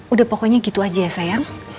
udah pokoknya gitu aja ya sayang